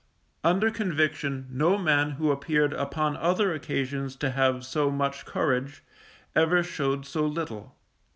Under conviction, no man who appeared upon other occasions to have so much courage, ever showed so little.